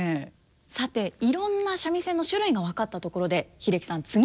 さていろんな三味線の種類が分かったところで英樹さん次は？